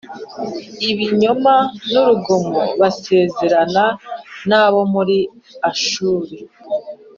ibinyoma n urugomo Basezerana n abo muri Ashuri